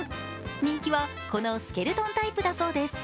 人気はこのスケルトンタイプだそうです。